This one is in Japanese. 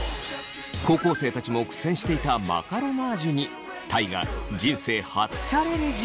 高校生たちも苦戦していたマカロナージュに大我人生初チャレンジ。